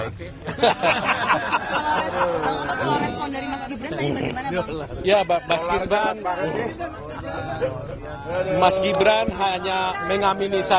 kalau mau terpulang respon dari mas gibran bagaimana pak